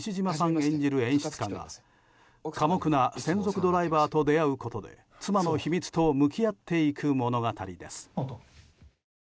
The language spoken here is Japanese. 演じる演出家が寡黙な専属ドライバーと出会うことが妻の秘密と向き合っていく物語です。